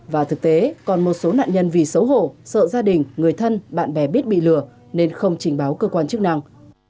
và thực tế còn một số nạn nhân vì xấu hổ sợ gia đình người thân bạn bè biết bị lừa nên không trình báo cơ quan chức năng